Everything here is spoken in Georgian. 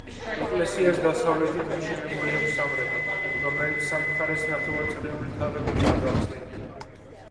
ეკლესიას დასავლეთით მიშენებული აქვს სამრეკლო, რომელიც სამ მხარეს ნახევარწრიული თაღებითაა გახსნილი.